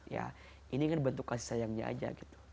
ya ini kan bentuk kasih sayangnya aja gitu